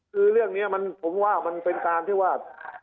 คือเรื่องนี้ผมว่ามันเป็นการที่ว่า